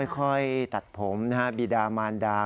ค่อยตัดผมบีดามานดา